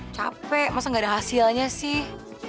capek masa gak ada hasilnya sih